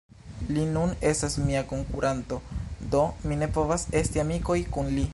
Li nun estas mia konkuranto... do mi ne povas esti amikoj kun li